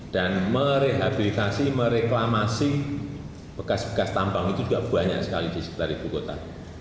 dan merehabilitasi mereklamasi bekas bekas tambang itu juga banyak sekali di sekitar ibu kota